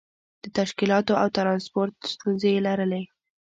د تشکیلاتو او ترانسپورت ستونزې یې لرلې.